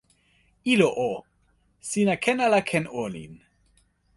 ilo o, sina ken ala ken olin?